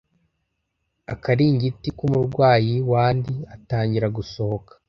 akaringiti kumurwayi wandi atangira gusohoka